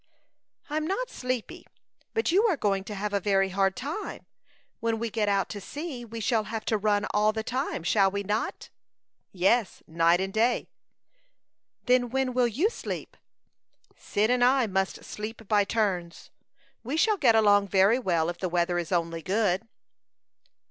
"I'm not sleepy; but you are going to have a very hard time. When we get out to sea we shall have to run all the time shall we not?" "Yes night and day." "Then when will you sleep?" "Cyd and I must sleep by turns. We shall get along very well if the weather is only good."